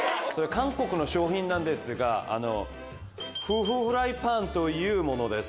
韓国の商品なんですがふうふうフライパンというものです。